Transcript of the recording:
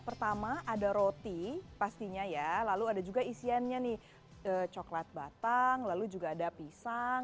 pertama ada roti pastinya ya lalu ada juga isiannya nih coklat batang lalu juga ada pisang